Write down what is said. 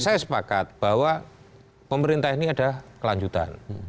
saya sepakat bahwa pemerintah ini ada kelanjutan